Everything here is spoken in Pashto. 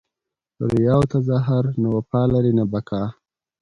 ریاء او تظاهر نه وفا لري نه بقاء!